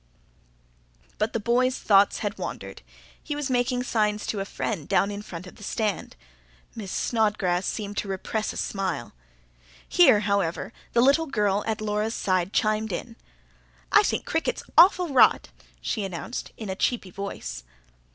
But the boy's thoughts had wandered: he was making signs to a friend down in the front of the Stand. Miss Snodgrass seemed to repress a smile. Here, however, the little girl at Laura's side chimed in. "I think cricket's awful rot," she announced, in a cheepy voice.